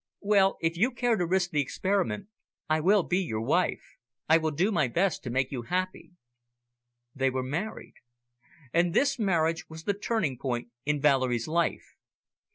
Well, if you care to risk the experiment, I will be your wife. I will do my best to make you happy." They were married. And this marriage was the turning point in Valerie's life.